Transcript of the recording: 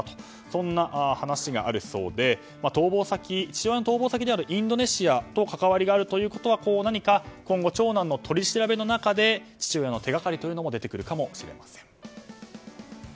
そんな話があるそうで父親の逃亡先のインドネシアと関わりがあるということで今後、長男の取り調べの中で父親の手がかりも出てくるかもしれません。